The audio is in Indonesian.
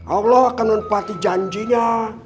allah akan menepati janjinya